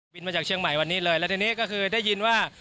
มาจากเชียงใหม่วันนี้เลยแล้วทีนี้ก็คือได้ยินว่า